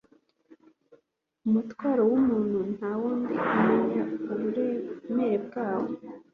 Umutwaro w’umuntu ntawundi umenya uburemere bwawo